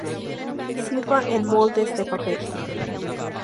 Sirva en moldes de papel.